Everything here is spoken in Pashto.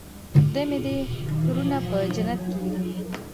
خدای مې دې ترونه په جنت کړي.